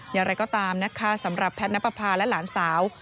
อย่างไรก็ตามนะคะสำหรับแพทย์นับประพาและหลานสาว